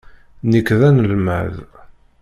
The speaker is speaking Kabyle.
Nekk d anelmad.